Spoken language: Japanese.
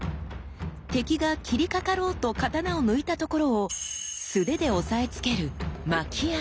敵が斬りかかろうと刀を抜いたところを素手で押さえつけるああ！